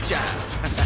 ハハハハ。